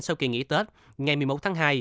sau kỳ nghỉ tết ngày một mươi một tháng hai